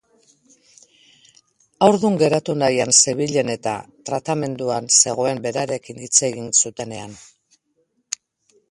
Haurdun geratu nahian zebilen eta tratamenduan zegoen berarekin hitz egin zutenean.